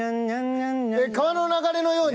「川の流れのように」。